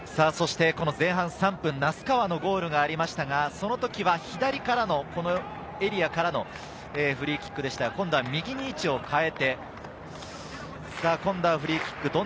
前半３分、名須川のゴールがありましたが、その時は左からのエリアからのフリーキックでしたが、今度は右に位置を変えて、今度はフリーキック。